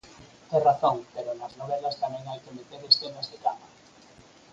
–Tes razón, pero nas novelas tamén hai que meter escenas de cama.